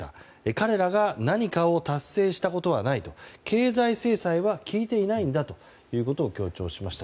彼らが何かを達成したことはないと経済制裁は効いていないんだということを強調しました。